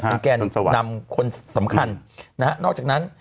เป็นแกนนำคนสำคัญนะฮะนอกจากนั้น